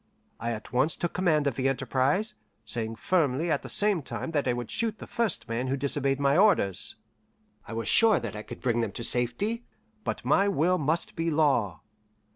I at once took command of the enterprise, saying firmly at the same time that I would shoot the first man who disobeyed my orders. I was sure that I could bring them to safety, but my will must be law.